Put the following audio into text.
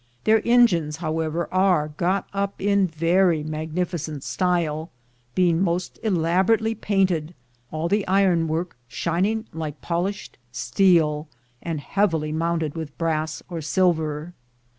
Their engines, however, are got up in very magnificent style, being most elabo rately painted, all the iron work shining like polished steel, and heavily mounted with brass or silver.